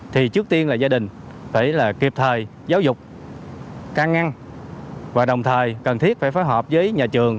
thì trước tiên là gia đình phải là kịp thời giáo dục can ngăn và đồng thời cần thiết phải phối hợp với nhà trường